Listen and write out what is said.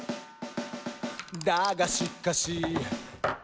「だがしかし」